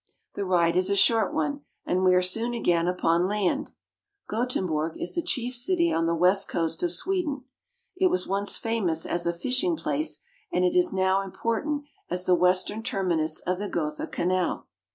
The ride is a short one, and we are soon again upon land. Gothenburg is the chief city on the west coast of Sweden. It was once famous as a fishing place, and it is now important as the western terminus of the Gotha Canal.